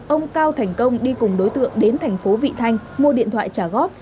ông cao thành công đi cùng đối tượng đến thành phố vị thanh mua điện thoại trả góp